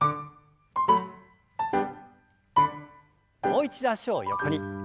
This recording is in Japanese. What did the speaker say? もう一度脚を横に。